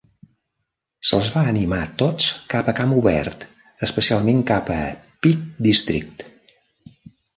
Se'ls va animar tots cap a camp obert, especialment cap a Peak District.